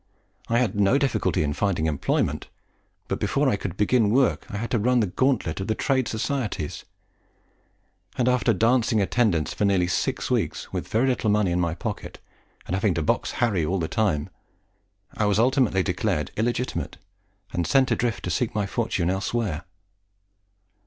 I had no difficulty in finding employment, but before I could begin work I had to run the gauntlet of the trade societies; and after dancing attendance for nearly six weeks, with very little money in my pocket, and having to 'box Harry' all the time, I was ultimately declared illegitimate, and sent adrift to seek my fortune elsewhere.